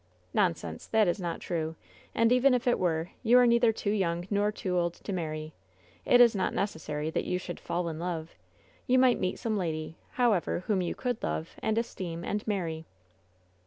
"Nonsense! That is not true; and, even if it were, you are neither too young nor too old to marry. It is not necessary that you should *fall in love.' You might meet some lady, however, whom you could love, and es teem, and marry."